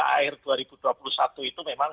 akhir dua ribu dua puluh satu itu memang